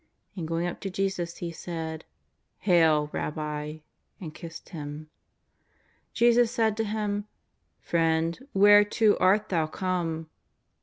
'' And, going up to Jesus, he said: ''Hail, Rabbi!" and kissed Him. Jesus said to him :" Friend, whereto art thou come?